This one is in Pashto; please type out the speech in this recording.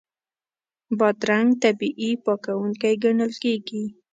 بادرنګ طبیعي پاکوونکی ګڼل کېږي.